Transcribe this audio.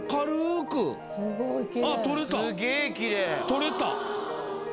取れた！